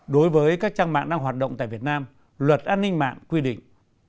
đối với các trang mạng đang hoạt động tại việt nam luật an ninh mạng quy định